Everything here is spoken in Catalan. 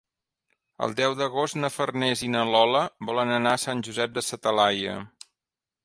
El deu d'agost na Farners i na Lola volen anar a Sant Josep de sa Talaia.